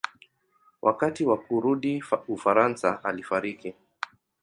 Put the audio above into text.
Wakati wa kurudi Ufaransa alifariki.